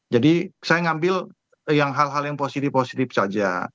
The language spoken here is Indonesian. jadi saya ngambil hal hal yang positif positif saja